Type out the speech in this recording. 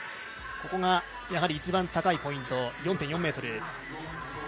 ここが一番高いポイント、４．４ｍ。